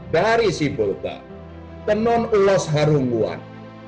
dari sibolka tenun ulos harunguan